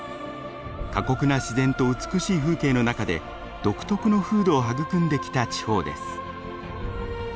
過酷な自然と美しい風景の中で独特の風土を育んできた地方です。